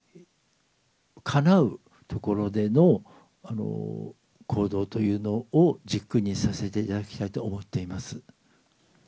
体力的にかなうところでの行動というのを、軸にさせていただきたいと思っています。